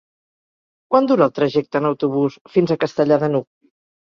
Quant dura el trajecte en autobús fins a Castellar de n'Hug?